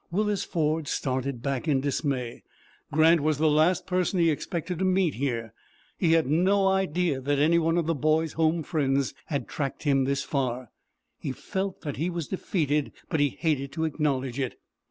Willis Ford started back in dismay. Grant was the last person he expected to meet here. He had no idea that any one of the boy's home friends had tracked him this far. He felt that he was defeated, but he hated to acknowledge it.